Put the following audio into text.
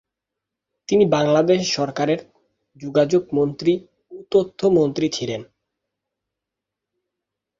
তিনি বাংলাদেশ সরকারের যোগাযোগ মন্ত্রী ও তথ্য মন্ত্রী ছিলেন।